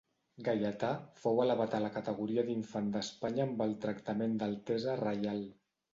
Gaietà fou elevat a la categoria d'infant d'Espanya amb el tractament d'altesa reial.